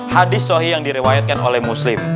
hadis suhih yang direwayatkan oleh muslim